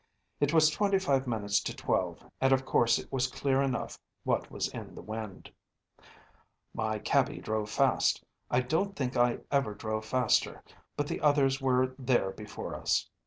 ’ It was twenty five minutes to twelve, and of course it was clear enough what was in the wind. “My cabby drove fast. I don’t think I ever drove faster, but the others were there before us.